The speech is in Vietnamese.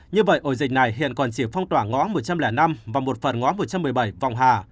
như vậy ổ dịch này hiện còn chỉ phong tỏa ngõ một trăm linh năm và một phần ngõ một trăm một mươi bảy phòng hà